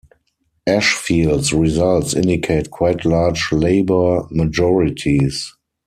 Ashfield's results indicate quite large Labour majorities.